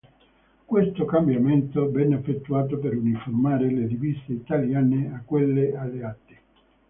Questo cambiamento venne effettuato per uniformare le divise italiane a quelle Alleate.